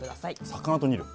魚と煮る？